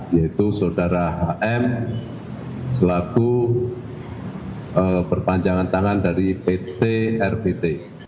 yaitu saudara hm selaku perpanjangan tangan dari pt rpt